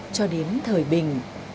cho đến thời bình